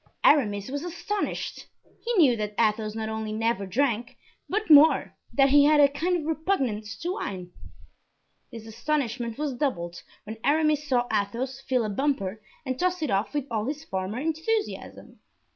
Aramis was astonished. He knew that Athos not only never drank, but more, that he had a kind of repugnance to wine. This astonishment was doubled when Aramis saw Athos fill a bumper and toss it off with all his former enthusiasm.